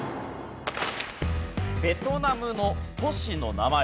ベトナムの都市の名前です。